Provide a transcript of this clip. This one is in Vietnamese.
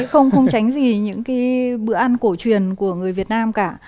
không không tránh gì những cái bữa ăn cổ truyền của người việt nam cả